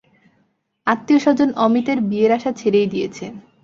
আত্মীয়স্বজন অমিতর বিয়ের আশা ছেড়েই দিয়েছে।